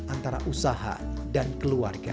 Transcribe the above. antara usaha dan keluarga